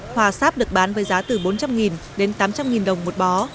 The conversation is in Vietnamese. hòa sáp được bán với giá từ bốn trăm linh đến tám trăm linh đồng một bó